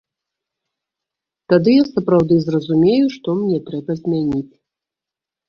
Тады я сапраўды зразумею, што мне трэба змяніць.